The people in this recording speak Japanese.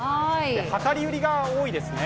量り売りが多いですね。